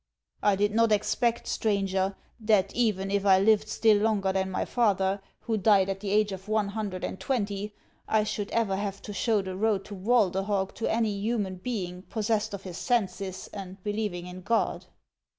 "I did not expect, stranger, that even if I lived still longer than my father, who died at the age of one hun dred and twenty, I should ever have to show the road to Walderhog to any human being possessed of his senses and believing in God."